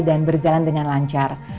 dan berjalan dengan lancar